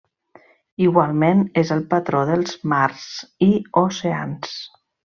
Igualment és el patró dels mars i oceans.